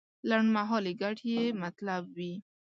لنډمهالې ګټې یې مطلب وي.